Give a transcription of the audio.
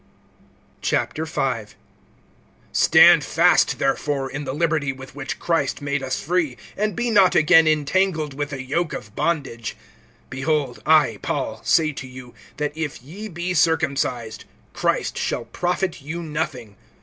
V. STAND fast, therefore, in the liberty with which Christ made us free, and be not again entangled with the yoke of bondage. (2)Behold, I, Paul, say to you, that if ye be circumcised, Christ shall profit you nothing.